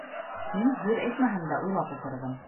Мин, һүҙ әйтмәһәм дә, уйлап ултырҙым.